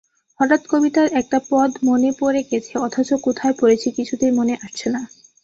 হঠাৎ কবিতার একটা পদ মনে পড়ে গেছে অথচ কোথায় পড়েছি কিছুতেই মনে আসছে না।